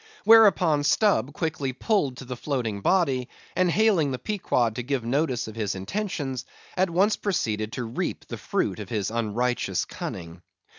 Whereupon Stubb quickly pulled to the floating body, and hailing the Pequod to give notice of his intentions, at once proceeded to reap the fruit of his unrighteous cunning.